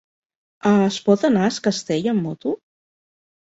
Es pot anar a Es Castell amb moto?